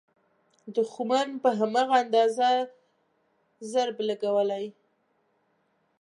دوښمن په همدغه اندازه ضرب لګولی.